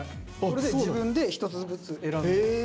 それで自分で一つずつ選んで。